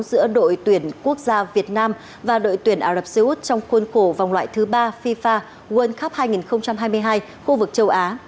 giữa đội tuyển quốc gia việt nam và đội tuyển ả rập xê út trong khuôn khổ vòng loại thứ ba fifa world cup hai nghìn hai mươi hai khu vực châu á